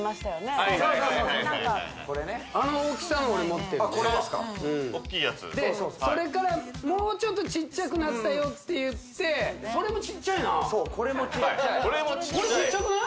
はいはいはいはいあの大きさの俺持ってるね大きいやつでそれからもうちょっとちっちゃくなったよっていってそれもちっちゃいなそうこれもちっちゃいこれちっちゃくない？